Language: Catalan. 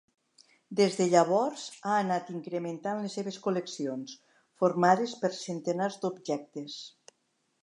Des de llavors, ha anat incrementant les seves col·leccions, formades per centenars d'objectes.